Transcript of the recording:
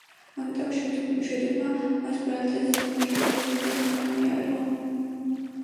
ამიტომ შვედებმა მას ბრალი დასდეს იმაში, რომ რუსეთისგან ქრთამი აიღო.